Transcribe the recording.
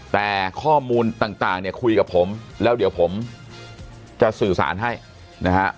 แต่ข้อมูลต่างเนี่ยคุยกับผมแล้วเดี๋ยวผมจะสื่อสารให้นะฮะ